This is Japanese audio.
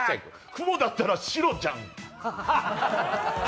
雲だったら白じゃん。